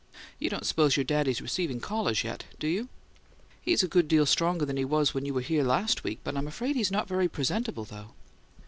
"You don't suppose your daddy's receiving callers yet, is he?" "He's a good deal stronger than he was when you were here last week, but I'm afraid he's not very presentable, though."